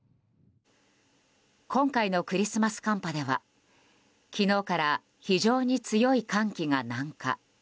今回のクリスマス寒波では昨日から非常に強い寒気が南下。